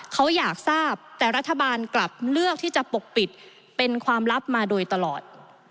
เขาอยากทราบแต่รัฐบาลกลับเลือกที่จะปกปิดเป็นความลับมาโดยตลอด